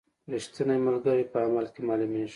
رښتینی ملګری په عمل کې معلومیږي.